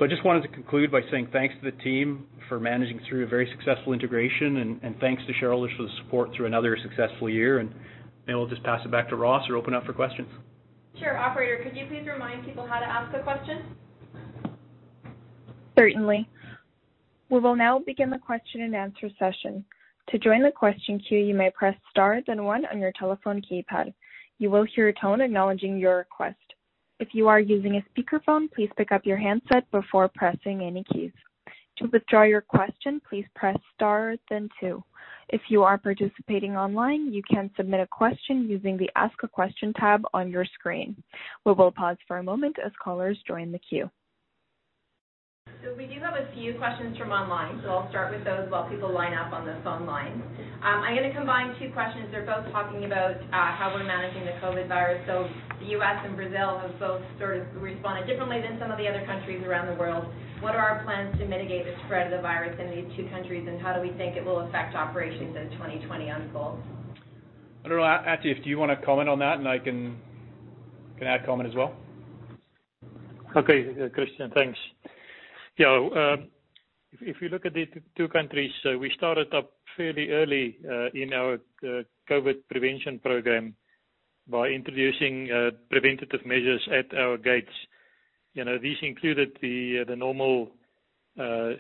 I just wanted to conclude by saying thanks to the team for managing through a very successful integration and thanks to shareholders for the support through another successful year. I will just pass it back to Ross or open up for questions. Sure. Operator, could you please remind people how to ask a question? Certainly. We will now begin the question and answer session. To join the question queue, you may press star then one on your telephone keypad. You will hear a tone acknowledging your request. If you are using a speakerphone, please pick up your handset before pressing any keys. To withdraw your question, please press star then two. If you are participating online, you can submit a question using the Ask a Question tab on your screen. We will pause for a moment as callers join the queue. We do have a few questions from online, so I'll start with those while people line up on the phone line. I'm going to combine two questions. They're both talking about how we're managing the COVID-19 virus. The U.S. and Brazil have both responded differently than some of the other countries around the world. What are our plans to mitigate the spread of the virus in these two countries, and how do we think it will affect operations as 2020 unfolds? I don't know, Attie, do you want to comment on that and I can add comment as well? Okay, Christian, thanks. If we look at these two countries, we started up fairly early in our COVID prevention program by introducing preventative measures at our gates. These included the normal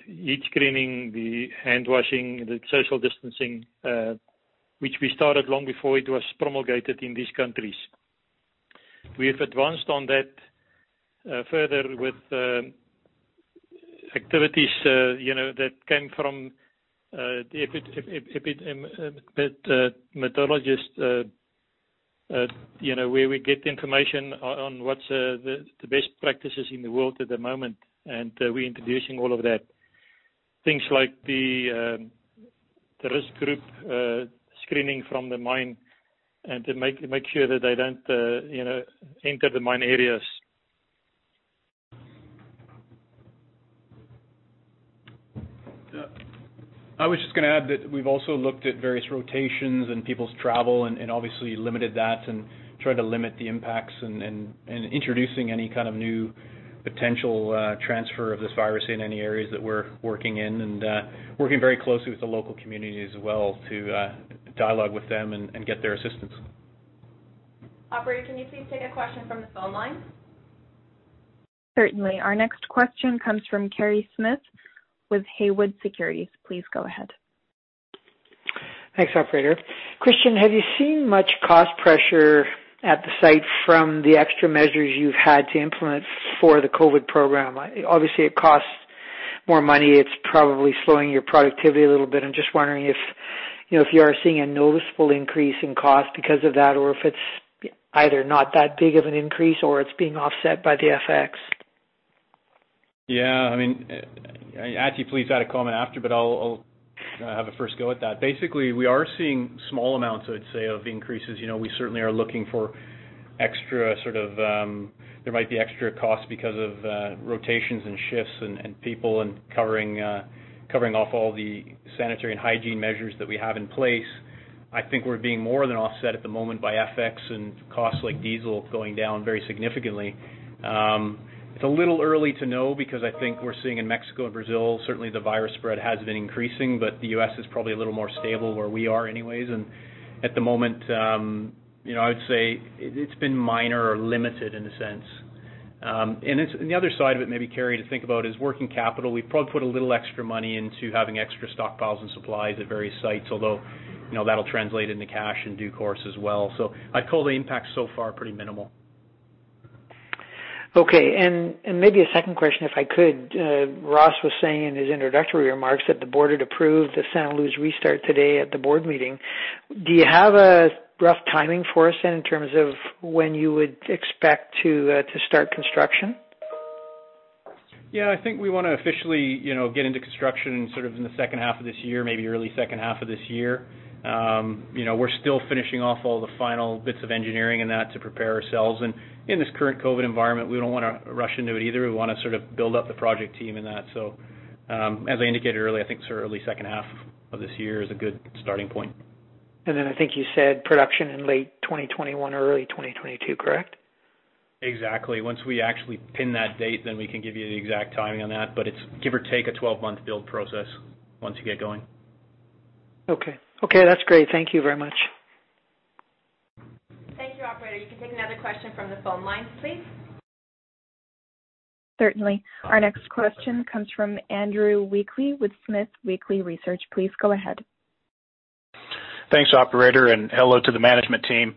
heat screening, the handwashing, the social distancing, which we started long before it was promulgated in these countries. We have advanced on that further with activities that came from epidemiologists, where we get information on what's the best practices in the world at the moment, and we're introducing all of that. Things like the risk group screening from the mine and to make sure that they don't enter the mine areas. I was just going to add that we've also looked at various rotations and people's travel and obviously limited that and tried to limit the impacts and introducing any kind of new potential transfer of this virus in any areas that we're working in and working very closely with the local community as well to dialogue with them and get their assistance. Operator, can you please take a question from the phone line? Certainly. Our next question comes from Kerry Smith with Haywood Securities. Please go ahead. Thanks, operator. Christian, have you seen much cost pressure at the site from the extra measures you've had to implement for the COVID program? Obviously, it costs more money. It's probably slowing your productivity a little bit. I'm just wondering if you are seeing a noticeable increase in cost because of that, or if it's either not that big of an increase or it's being offset by the FX. Yeah, I mean, Atif, please add a comment after, but I'll have a first go at that. Basically, we are seeing small amounts, I'd say, of increases. We certainly are looking for extra sort of, there might be extra costs because of rotations and shifts and people and covering off all the sanitary and hygiene measures that we have in place. I think we're being more than offset at the moment by FX and costs like diesel going down very significantly. It's a little early to know because I think we're seeing in Mexico and Brazil, certainly the virus spread has been increasing, but the U.S. is probably a little more stable where we are anyways. At the moment, I would say it's been minor or limited in a sense. The other side of it maybe, Kerry, to think about is working capital. We've probably put a little extra money into having extra stockpiles and supplies at various sites, although that'll translate into cash in due course as well. I'd call the impact so far pretty minimal. Okay. Maybe a second question, if I could. Ross was saying in his introductory remarks that the board had approved the Santa Luz restart today at the board meeting. Do you have a rough timing for us in terms of when you would expect to start construction? I think we want to officially get into construction sort of in the second half of this year, maybe early second half of this year. We're still finishing off all the final bits of engineering and that to prepare ourselves. In this current COVID environment, we don't want to rush into it either. We want to sort of build up the project team in that. As I indicated earlier, I think sort of early second half of this year is a good starting point. I think you said production in late 2021 or early 2022, correct? Exactly. Once we actually pin that date, then we can give you the exact timing on that. It's give or take a 12-month build process once you get going. Okay. Okay, that's great. Thank you very much. Thank you, operator. You can take another question from the phone lines, please. Certainly. Our next question comes from Andrew Weekly with SmithWeekly Research. Please go ahead. Thanks, operator, and hello to the management team.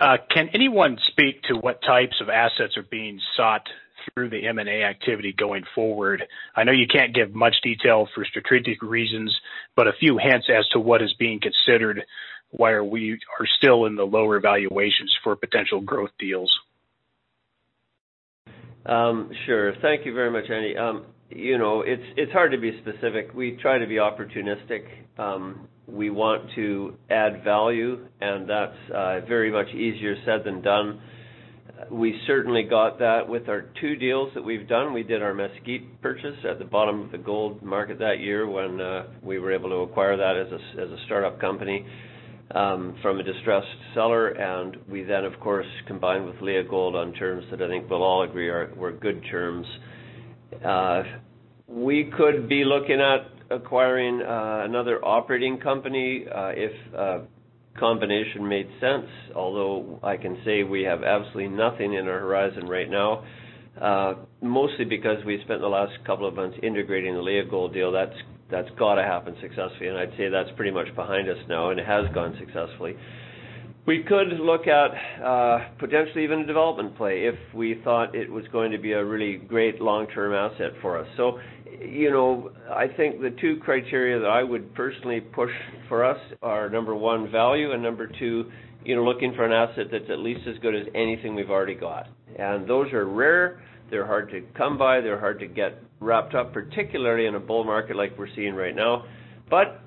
Can anyone speak to what types of assets are being sought through the M&A activity going forward? I know you can't give much detail for strategic reasons, but a few hints as to what is being considered while we are still in the lower valuations for potential growth deals. Sure. Thank you very much, Andy. It's hard to be specific. We try to be opportunistic. We want to add value. That's very much easier said than done. We certainly got that with our two deals that we've done. We did our Mesquite purchase at the bottom of the gold market that year when we were able to acquire that as a startup company from a distressed seller. We then, of course, combined with Leagold on terms that I think we'll all agree were good terms. We could be looking at acquiring another operating company if a combination made sense, although I can say we have absolutely nothing in our horizon right now. Mostly because we spent the last couple of months integrating the Leagold deal. That's got to happen successfully. I'd say that's pretty much behind us now, and it has gone successfully. We could look at potentially even a development play if we thought it was going to be a really great long-term asset for us. I think the two criteria that I would personally push for us are, number 1, value, and number 2, looking for an asset that's at least as good as anything we've already got. Those are rare. They're hard to come by. They're hard to get wrapped up, particularly in a bull market like we're seeing right now.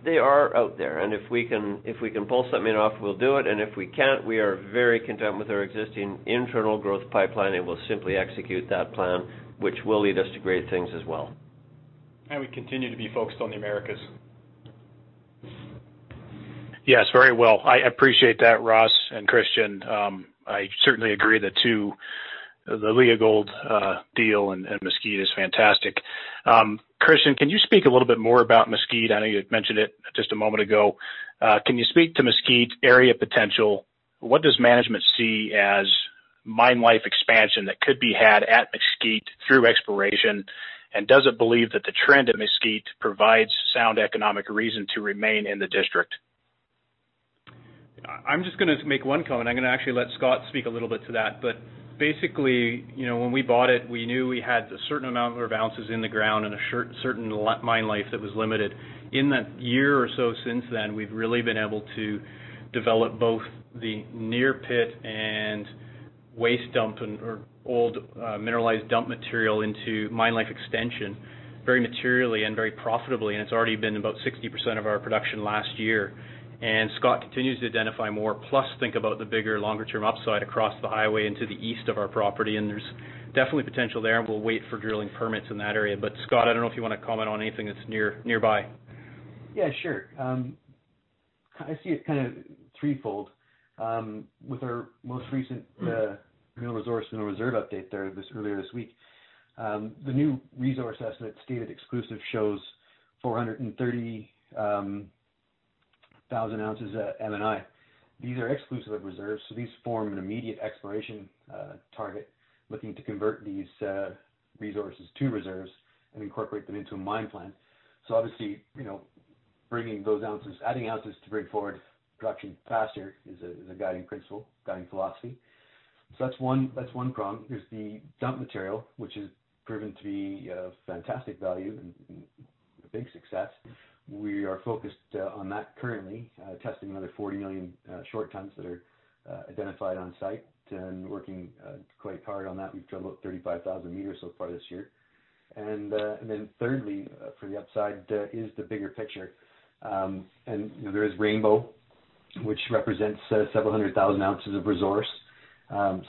They are out there, and if we can pull something off, we'll do it, and if we can't, we are very content with our existing internal growth pipeline, and we'll simply execute that plan, which will lead us to great things as well. We continue to be focused on the Americas. Yes, very well. I appreciate that, Ross and Christian. I certainly agree the two, the Leagold deal and Mesquite is fantastic. Christian, can you speak a little bit more about Mesquite? I know you had mentioned it just a moment ago. Can you speak to Mesquite area potential? What does management see as mine life expansion that could be had at Mesquite through exploration? Does it believe that the trend at Mesquite provides sound economic reason to remain in the district? I'm just going to make one comment. I'm going to actually let Scott speak a little bit to that. Basically, when we bought it, we knew we had a certain amount of ounces in the ground and a certain mine life that was limited. In that year or so since then, we've really been able to develop both the near pit and waste dump, or old mineralized dump material into mine life extension very materially and very profitably, and it's already been about 60% of our production last year. Scott continues to identify more, plus think about the bigger, longer-term upside across the highway and to the east of our property, and there's definitely potential there, and we'll wait for drilling permits in that area. Scott, I don't know if you want to comment on anything that's nearby. Yeah, sure. I see it kind of threefold. With our most recent mineral resource, mineral reserve update there, earlier this week. The new resource estimate stated exclusive shows 430,000 ounces at M&I. These are exclusive reserves, so these form an immediate exploration target, looking to convert these resources to reserves and incorporate them into a mine plan. Obviously, adding ounces to bring forward production faster is a guiding principle, guiding philosophy. That's one prong. There's the dump material, which has proven to be of fantastic value and a big success. We are focused on that currently, testing another 40 million short tons that are identified on site and working quite hard on that. We've drilled about 35,000 meters so far this year. Thirdly for the upside is the bigger picture. There is Rainbow, which represents several hundred thousand ounces of resource,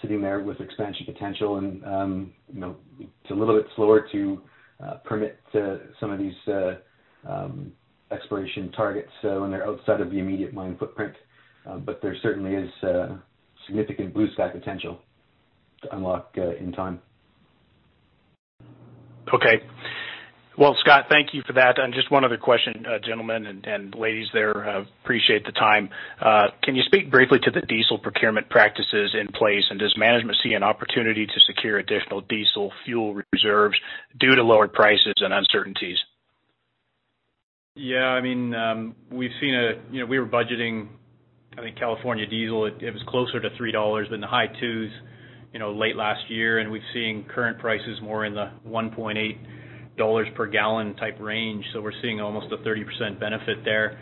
sitting there with expansion potential and it's a little bit slower to permit some of these exploration targets when they're outside of the immediate mine footprint. There certainly is significant blue sky potential to unlock in time. Okay. Well, Scott, thank you for that. Just one other question, gentlemen and ladies there, appreciate the time. Can you speak briefly to the diesel procurement practices in place, and does management see an opportunity to secure additional diesel fuel reserves due to lower prices and uncertainties? Yeah, we were budgeting, I think California diesel, it was closer to $3 than the high twos late last year. We're seeing current prices more in the $1.8 per gallon type range, so we're seeing almost a 30% benefit there.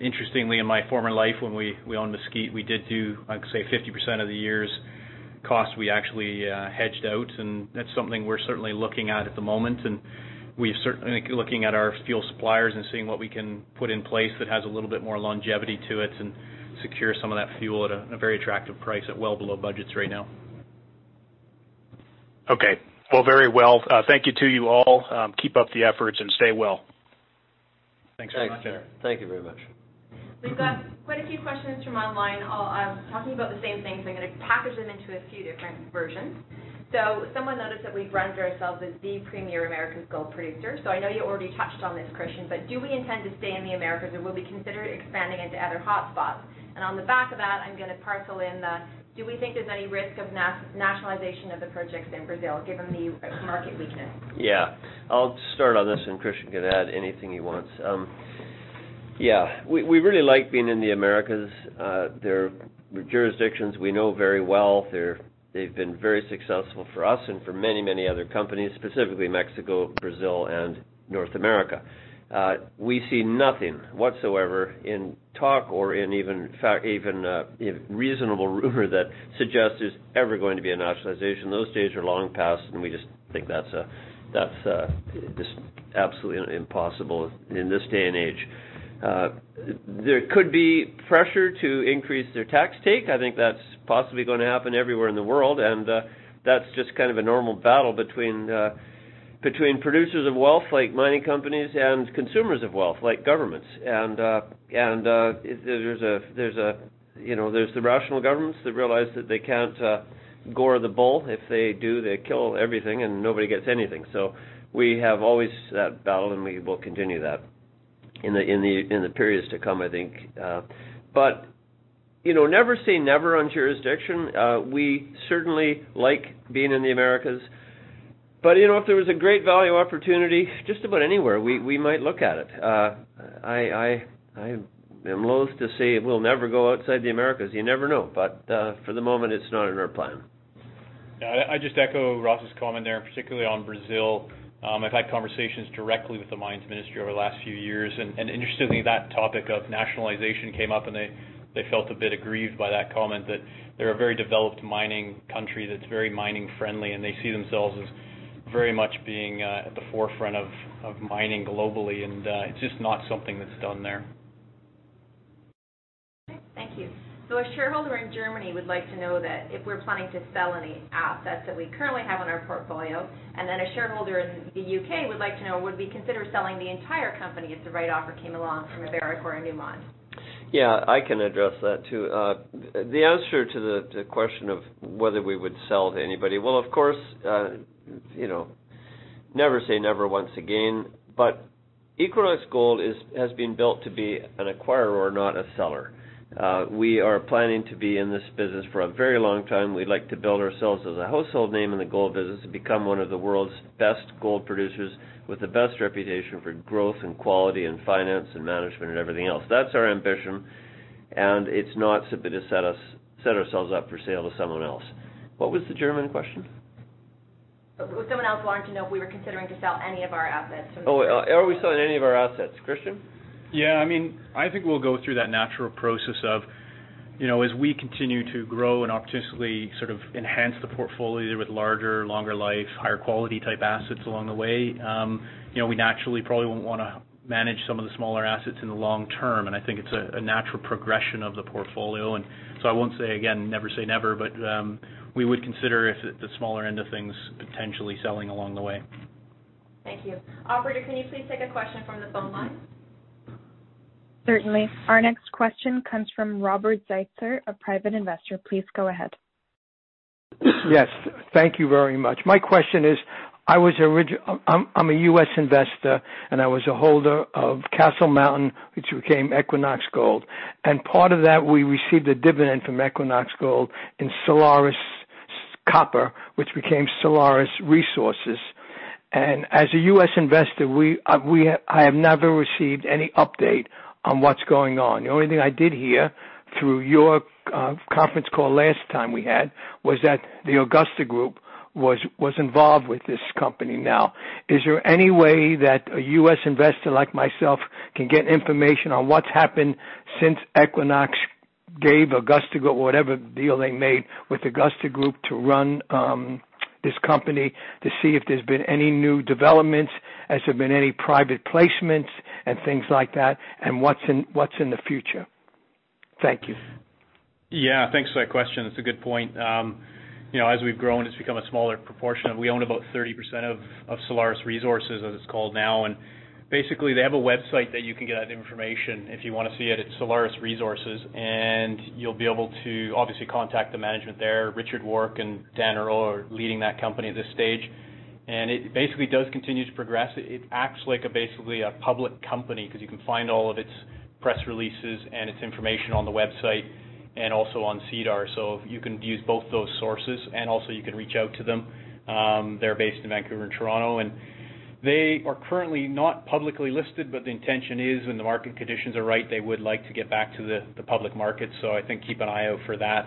Interestingly, in my former life, when we owned Mesquite, we did do, I can say, 50% of the year's cost we actually hedged out. That's something we're certainly looking at at the moment. We certainly looking at our fuel suppliers and seeing what we can put in place that has a little bit more longevity to it and secure some of that fuel at a very attractive price at well below budgets right now. Okay. Well, very well. Thank you to you all. Keep up the efforts and stay well. Thanks so much. Thank you. Thank you very much. We've got quite a few questions from online all talking about the same things. I'm going to package them into a few different versions. Someone noticed that we brand ourselves as the premier Americas gold producer. I know you already touched on this, Christian, but do we intend to stay in the Americas, or will we consider expanding into other hotspots? On the back of that, I'm going to parcel in the, do we think there's any risk of nationalization of the projects in Brazil given the market weakness? Yeah. I'll start on this, and Christian can add anything he wants. We really like being in the Americas. They're jurisdictions we know very well. They've been very successful for us and for many other companies, specifically Mexico, Brazil, and North America. We see nothing whatsoever in talk or in even reasonable rumor that suggests there's ever going to be a nationalization. Those days are long past. We just think that's just absolutely impossible in this day and age. There could be pressure to increase their tax take. I think that's possibly going to happen everywhere in the world, and that's just kind of a normal battle between producers of wealth, like mining companies, and consumers of wealth, like governments. There's the rational governments that realize that they can't gore the bull. If they do, they kill everything, and nobody gets anything. We have always that battle, and we will continue that in the periods to come, I think. Never say never on jurisdiction. We certainly like being in the Americas. If there was a great value opportunity just about anywhere, we might look at it. I'm loath to say we'll never go outside the Americas. You never know. For the moment, it's not in our plan. I just echo Ross's comment there, particularly on Brazil. I've had conversations directly with the mines ministry over the last few years. Interestingly, that topic of nationalization came up. They felt a bit aggrieved by that comment that they're a very developed mining country that's very mining friendly. They see themselves as very much being at the forefront of mining globally. It's just not something that's done there. Thank you. A shareholder in Germany would like to know that if we're planning to sell any assets that we currently have in our portfolio. A shareholder in the U.K. would like to know, would we consider selling the entire company if the right offer came along from a Barrick or a Newmont? Yeah, I can address that too. The answer to the question of whether we would sell to anybody, well, of course, never say never once again, but Equinox Gold has been built to be an acquirer, not a seller. We are planning to be in this business for a very long time. We'd like to build ourselves as a household name in the gold business and become one of the world's best gold producers with the best reputation for growth and quality and finance and management and everything else. That's our ambition, and it's not to set ourselves up for sale to someone else. What was the German question? Someone else wanted to know if we were considering to sell any of our assets. Oh, are we selling any of our assets. Christian? I think we'll go through that natural process of, as we continue to grow and opportunistically sort of enhance the portfolio with larger, longer life, higher quality type assets along the way, we naturally probably won't want to manage some of the smaller assets in the long term, and I think it's a natural progression of the portfolio. So I won't say, again, never say never, but we would consider the smaller end of things potentially selling along the way. Thank you. Operator, can you please take a question from the phone line? Certainly. Our next question comes from Robert Zeitzer, a private investor. Please go ahead. Yes, thank you very much. My question is, I'm a U.S. investor, and I was a holder of Castle Mountain, which became Equinox Gold. Part of that, we received a dividend from Equinox Gold in Solaris Copper, which became Solaris Resources. As a U.S. investor, I have never received any update on what's going on. The only thing I did hear through your conference call last time we had was that the Augusta Group was involved with this company now. Is there any way that a U.S. investor like myself can get information on what's happened since Equinox gave Augusta, or whatever deal they made with Augusta Group to run this company to see if there's been any new developments, has there been any private placements and things like that, and what's in the future? Thank you. Yeah. Thanks for that question. It's a good point. As we've grown, it's become a smaller proportion. We own about 30% of Solaris Resources, as it's called now. Basically, they have a website that you can get that information if you want to see it. It's Solaris Resources, and you'll be able to obviously contact the management there. Richard Warke and Dan Earle are leading that company at this stage, and it basically does continue to progress. It acts like basically a public company because you can find all of its press releases and its information on the website and also on SEDAR. You can use both those sources, and also you can reach out to them. They're based in Vancouver and Toronto, and they are currently not publicly listed, but the intention is when the market conditions are right, they would like to get back to the public market. I think keep an eye out for that.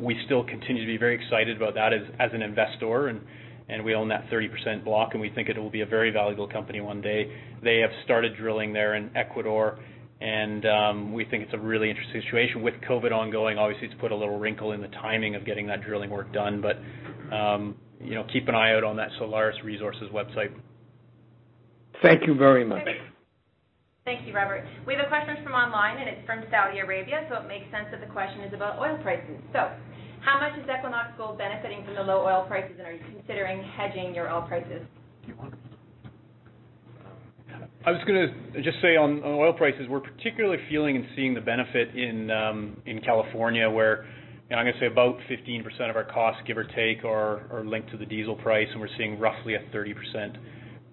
We still continue to be very excited about that as an investor and we own that 30% block, and we think it will be a very valuable company one day. They have started drilling there in Ecuador, and we think it's a really interesting situation. With COVID ongoing, obviously it's put a little wrinkle in the timing of getting that drilling work done, but keep an eye out on that Solaris Resources website. Thank you very much. Thank you, Robert. We have a question from online, and it's from Saudi Arabia, so it makes sense that the question is about oil prices. How much is Equinox Gold benefiting from the low oil prices, and are you considering hedging your oil prices? I was going to just say on oil prices, we're particularly feeling and seeing the benefit in California where I'm going to say about 15% of our costs, give or take, are linked to the diesel price, and we're seeing roughly a 30%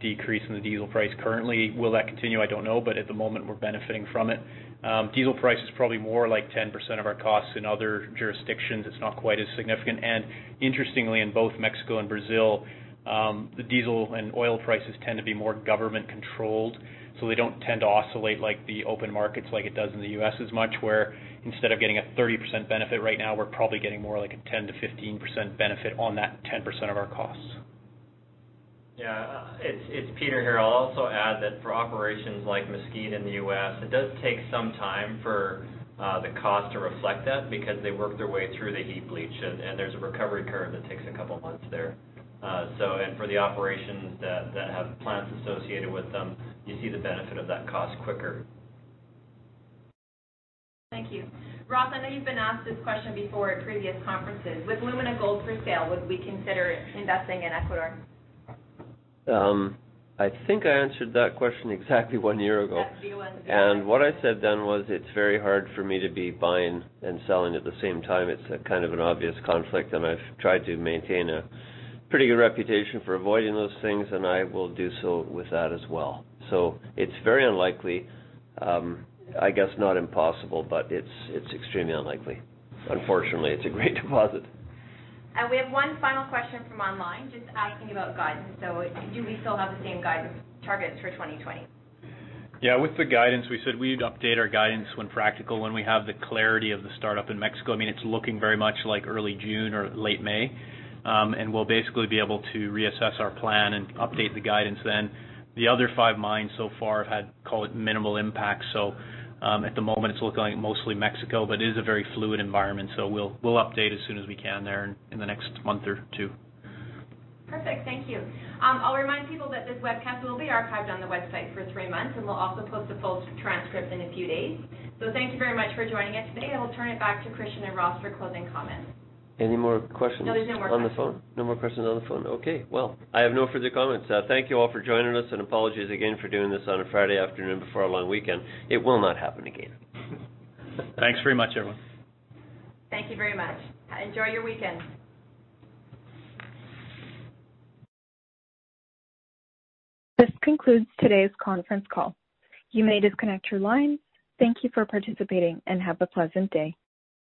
decrease in the diesel price currently. Will that continue? I don't know, but at the moment, we're benefiting from it. Diesel price is probably more like 10% of our costs. In other jurisdictions, it's not quite as significant. Interestingly, in both Mexico and Brazil, the diesel and oil prices tend to be more government controlled, so they don't tend to oscillate like the open markets like it does in the U.S. as much where instead of getting a 30% benefit right now, we're probably getting more like a 10%-15% benefit on that 10% of our costs. It's Peter here. I'll also add that for operations like Mesquite in the U.S., it does take some time for the cost to reflect that because they work their way through the heap leach and there's a recovery curve that takes a couple of months there. For the operations that have plants associated with them, you see the benefit of that cost quicker. Thank you. Ross, I know you've been asked this question before at previous conferences. With Lumina Gold for sale, would we consider investing in Ecuador? I think I answered that question exactly one year ago. That's Q1 2020. What I said then was it's very hard for me to be buying and selling at the same time. It's kind of an obvious conflict, and I've tried to maintain a pretty good reputation for avoiding those things, and I will do so with that as well. It's very unlikely. I guess not impossible, but it's extremely unlikely. Unfortunately, it's a great deposit. We have one final question from online just asking about guidance. Do we still have the same guidance targets for 2020? Yeah. With the guidance, we said we'd update our guidance when practical, when we have the clarity of the startup in Mexico. It's looking very much like early June or late May. We'll basically be able to reassess our plan and update the guidance then. The other five mines so far have had, call it minimal impact. At the moment it's looking like mostly Mexico, but it is a very fluid environment, so we'll update as soon as we can there in the next month or two. Perfect. Thank you. I'll remind people that this webcast will be archived on the website for three months, and we'll also post a full transcript in a few days. Thank you very much for joining us today. I'll turn it back to Christian and Ross for closing comments. Any more questions? No, there's no more questions. on the phone? No more questions on the phone. Okay. Well, I have no further comments. Thank you all for joining us. Apologies again for doing this on a Friday afternoon before a long weekend. It will not happen again. Thanks very much, everyone. Thank you very much. Enjoy your weekend. This concludes today's conference call. You may disconnect your line. Thank you for participating and have a pleasant day.